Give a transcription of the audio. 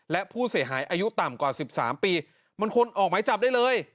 และผู้เสียหายอายุต่ำกว่า๑๓ปีมันควรออกหมายจับได้เลย